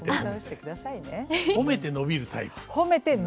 褒めて伸びるタイプ？